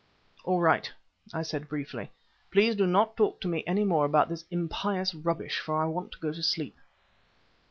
"All right," I said briefly. "Please do not talk to me any more about this impious rubbish, for I want to go to sleep."